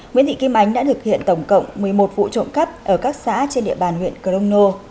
nguyễn thị kim ánh đã thực hiện tổng cộng một mươi một vụ trộm cắp ở các xã trên địa bàn huyện crono